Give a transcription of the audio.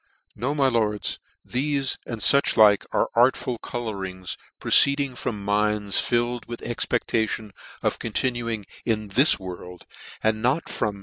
<c No, my lords, thele, and fuch like, are art ful colourings proceeding from minds filled with expectation of continuing in this world, and not from 1 92 NEW NEWGATE CALENDAR.